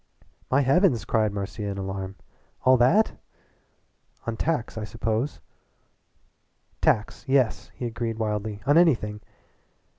"My heavens!" cried Marcia in alarm. "All that? On tacks, I suppose." "Tacks yes," he agreed wildly "on anything.